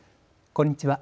こんにちは。